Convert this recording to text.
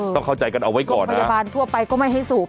เข้าใจกันเอาไว้ก่อนพยาบาลทั่วไปก็ไม่ให้สูบ